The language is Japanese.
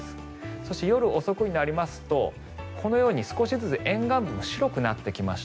そして、夜遅くになりますと少しずつ沿岸部も白くなってきました。